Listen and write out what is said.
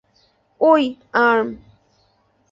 ওই, আর্ম!